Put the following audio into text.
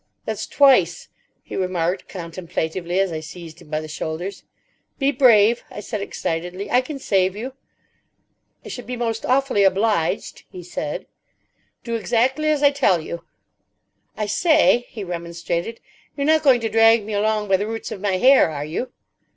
"That's twice," he remarked contemplatively, as I seized him by the shoulders. "Be brave," I said excitedly; "I can save you." "I should be most awfully obliged," he said. "Do exactly as I tell you." "I say," he remonstrated, "you're not going to drag me along by the roots of my hair, are you?"